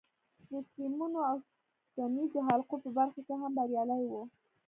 د سیمونو او اوسپنیزو حلقو په برخه کې هم بریالی و